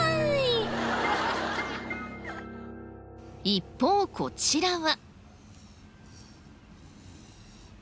一方こちらは。